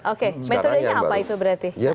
oke metodenya apa itu berarti